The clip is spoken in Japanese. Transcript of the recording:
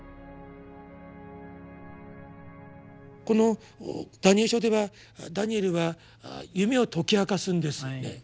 この「ダニエル書」ではダニエルは夢を解き明かすんですよね。